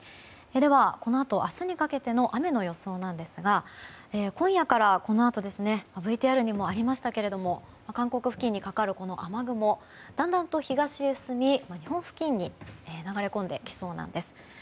このあと明日にかけての雨の予想なんですが今夜から、このあとＶＴＲにもありましたけれども韓国付近にかかる雨雲だんだんと東へ進み日本付近に流れ込んできそうなんです。